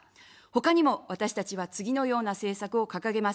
他にも、私たちは次のような政策を掲げます。